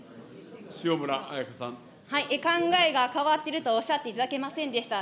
考えが変わっているとおっしゃっていただけませんでした。